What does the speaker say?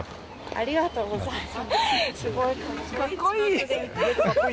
ありがとうございます。